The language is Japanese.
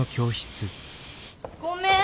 ごめん。